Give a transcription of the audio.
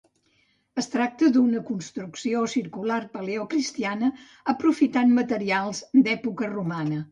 Es tracta duna construcció circular paleocristiana, aprofitant materials d'època romana.